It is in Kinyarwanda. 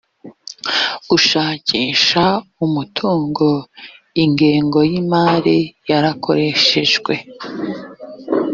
gushakisha umutungo ingengo y imari yarakoreshejwe